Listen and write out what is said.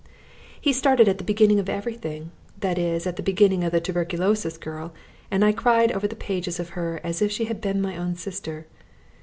He started at the beginning of everything, that is at the beginning of the tuberculosis girl, and I cried over the pages of her as if she had been my own sister.